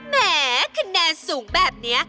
แหมคะแนนสูงแบบนี้